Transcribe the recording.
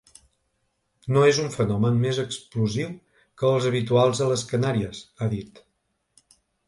“No és un fenomen més explosiu que els habituals a les Canàries”, ha dit.